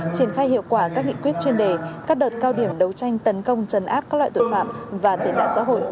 triển khai hiệu quả các nghị quyết chuyên đề các đợt cao điểm đấu tranh tấn công trần áp các loại tội phạm và tệ nạn xã hội